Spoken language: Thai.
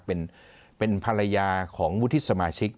เป็นครับเป็นภรรยาของวุฒิสมาชิก